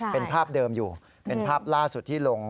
เป็นภาพเดิมอยู่เป็นภาพล่าสุดที่ลง